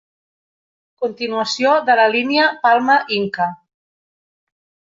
Continuació de la línia Palma-Inca.